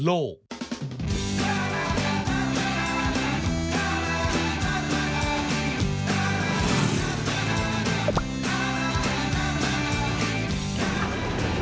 ตล่อนกิน